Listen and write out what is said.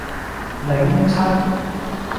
檸七